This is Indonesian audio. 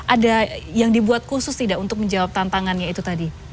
ada yang dibuat khusus tidak untuk menjawab tantangannya itu tadi